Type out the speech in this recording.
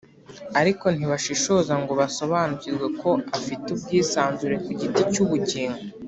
Ariko ntibashishoza ngo basobanukirwe ko afite ubwisanzure ku giti cy’ubugingo